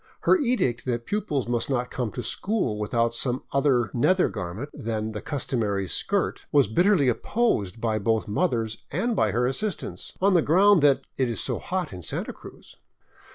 Her edict that pupils must not come to school without some other nether garment than the customary skirt was bit terly opposed both by mothers and by her assistants, on the ground that " it is so hot in Santa Cruz."